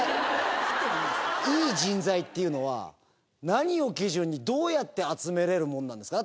いい人材っていうのは何を基準にどうやって集められるものなんですか？